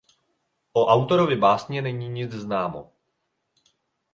O autorovi básně není nic známo.